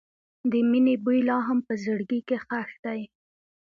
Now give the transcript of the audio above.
د مینې بوی لا هم په زړګي کې ښخ دی.